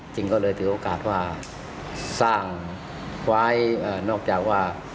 จริงก็เลยถือโอกาสว่าสร้างไว้นอกจากว่า